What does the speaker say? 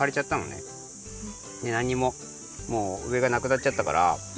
でなんにももううえがなくなっちゃったから。